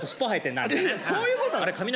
そういうこと？